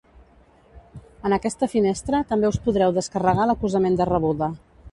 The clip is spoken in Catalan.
En aquesta finestra també us podreu descarregar l'acusament de rebuda.